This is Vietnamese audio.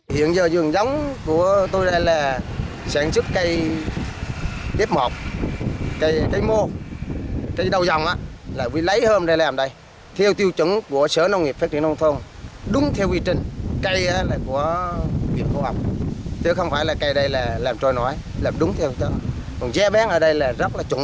hiện giờ giường giống của tôi đây là sản xuất cây bếp mọc cây mô cây đầu dòng là quý lấy hôm đây làm đây theo tiêu chứng của sở nông nghiệp phát triển đông thôn đúng theo quy trình cây là của việc phô hợp chứ không phải là cây đây là làm trôi nổi làm đúng theo quy trình còn dè bén ở đây là rất là trúng